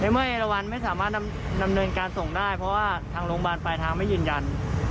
เมื่อเอราวันไม่สามารถดำเนินการส่งได้เพราะว่าทางโรงพยาบาลปลายทางไม่ยืนยัน